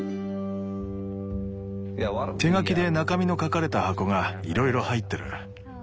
手書きで中身の書かれた箱がいろいろ入ってる。